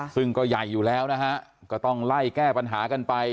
ซึ่งก็ใหญ่อยู่แล้วนะฮะก็ต้องไล่แก้ปัญหากันไป